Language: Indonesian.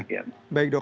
ya baik dok